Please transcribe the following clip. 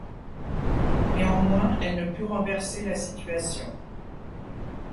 Néanmoins, elle ne put renverser la situation.